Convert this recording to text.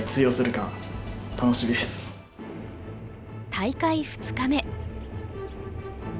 大会２日目。